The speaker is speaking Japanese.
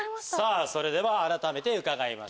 それでは改めて伺いましょう。